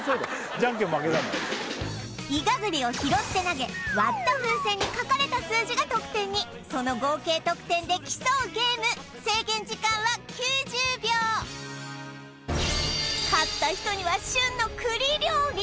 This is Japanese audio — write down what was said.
ジャンケン負けたんだからイガグリを拾って投げ割った風船に書かれた数字が得点にその合計得点で競うゲーム制限時間は９０秒勝った人には旬の栗料理！